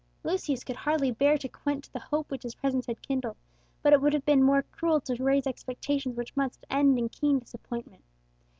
Lucius could hardly bear to quench the hope which his presence had kindled, but it would have been more cruel to raise expectations which must end in keen disappointment.